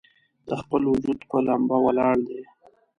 د خپل وجود پۀ ، لمبه ولاړ دی